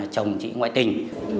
chồng chị ngoại tình